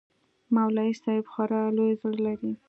مولوى صاحب خورا لوى زړه لري.